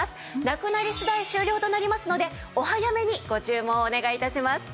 なくなり次第終了となりますのでお早めにご注文をお願い致します。